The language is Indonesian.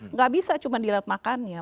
enggak bisa cuma dilihat makannya